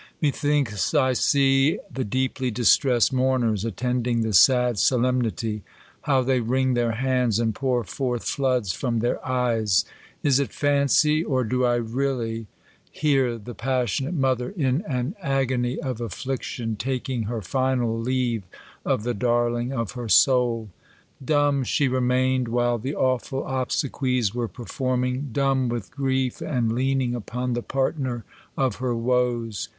Methinks I see the deeply distressed mourners attending the sad solem nity. How they wring their hands, and pour forth floods from their eyes ! Is it fancy ? or do I really hear the passionate mother, in an agony of affliction, taking her final leave of the darling of her soul? Dumb she remained, while the awful obsequies were performing ; dumb with grief, and leaning upon the partner of her woes.